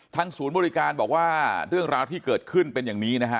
ศูนย์บริการบอกว่าเรื่องราวที่เกิดขึ้นเป็นอย่างนี้นะฮะ